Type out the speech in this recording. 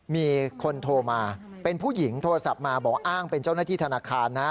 มีคนโทรมาเป็นผู้หญิงโทรศัพท์มาบอกอ้างเป็นเจ้าหน้าที่ธนาคารนะ